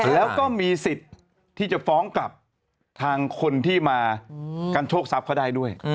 แล้วก็มีสิทธิ์ที่จะฟ้องกลับทางคนที่มากันโชคทรัพย์เขาได้ด้วย